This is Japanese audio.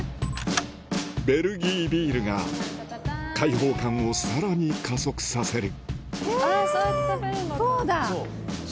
ベルギービールが解放感をさらに加速させるえこうだ！